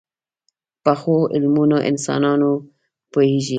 پخو علمونو انسانونه پوهيږي